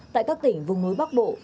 tại các tỉnh vùng núi bắc bộ